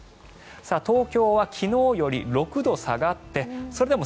東京は昨日より６度下がってそれでも